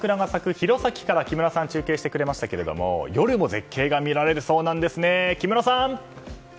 弘前から木村さん中継してくれましたけど夜も絶景が見られるそうなんですね